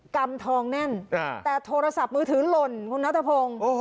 กำทองแน่นแต่โทรศัพท์มือถือล่นคุณน้องนาตาพง